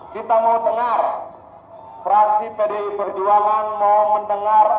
kita mau dengar fraksi pdi perjuangan mau mendengar